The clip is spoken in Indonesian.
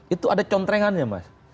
itu ada contengannya mas